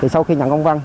sau khi nhận công văn